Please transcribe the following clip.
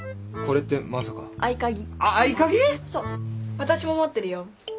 私も持ってるよ。